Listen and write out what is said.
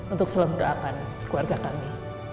untuk selalu mendoakan keluarga kami